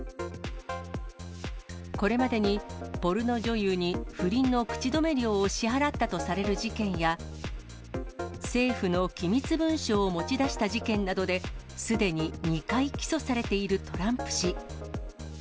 これまでにポルノ女優に不倫の口止め料を支払ったとされる事件や、政府の機密文書を持ち出した事件などで、すでに２回起訴されているトランプ氏。